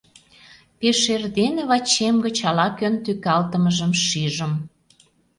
Пеш эрдене вачем гыч ала-кӧн тӱкалтымыжым шижым.